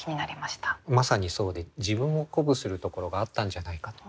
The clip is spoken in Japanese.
まさにそうで自分を鼓舞するところがあったんじゃないかと。